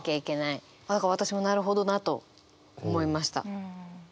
私もなるほどなと思いました。